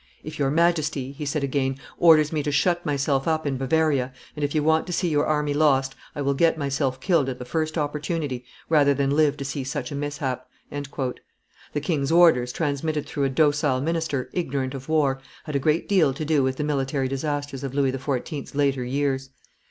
"If your Majesty," he said again, "orders me to shut myself up in Bavaria, and if you want to see your army lost, I will get myself killed at the first opportunity rather than live to see such a mishap." The king's orders, transmitted through a docile minister, ignorant of war, had a great deal to do with the military disasters of Louis XIV.'s later years.